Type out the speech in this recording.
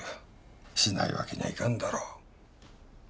しないわけにはいかんだろう。